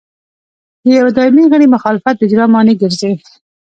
د یوه دایمي غړي مخالفت د اجرا مانع ګرځي.